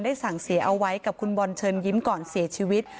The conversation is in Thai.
สั่งเสียเอาไว้กับคุณบอลเชิญยิ้มก่อนเสียชีวิต